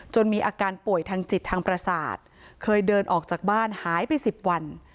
มีอาการป่วยทางจิตทางประสาทเคยเดินออกจากบ้านหายไป๑๐วัน